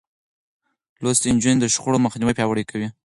لوستې نجونې د شخړو مخنيوی پياوړی کوي.